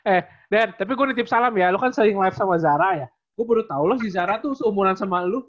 eh den tapi gue nintip salam ya lu kan sering live sama zara ya gue baru tau loh si zara tuh seumuran sama lu oke ya